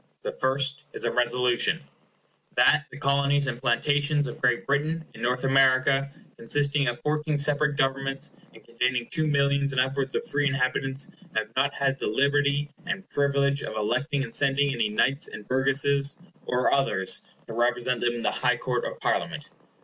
The first is a Resolution— "That the Colonies and Plantations of Great Britain in North America, consisting of fourteen separate Governments, and containing two millions and upwards of free inhabitants, have not had the liberty and privilege of electing and sending any Knights and Burgesses, or others, to represent them in the High Court of Parliament."